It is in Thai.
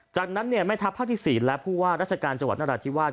จากนั้นแม่ทัพภาคที่๔และผู้ว่าราชการจังหวัดนราธิวาส